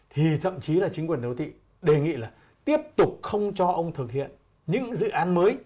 thì thậm chí là chính quyền đô thị đề nghị là tiếp tục không cho ông thực hiện những dự án mới